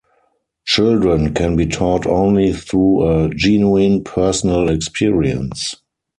Children can be taught only through a genuine personal experience.